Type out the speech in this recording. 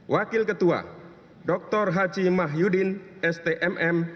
wakil ketua dr haji mahyudin s t m m